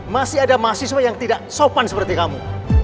masih ada mahasiswa yang tidak sopan seperti kamu